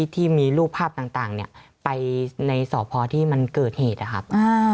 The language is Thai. ที่มีรูปภาพต่างไปในสพที่มันเกิดเหตุนะครับ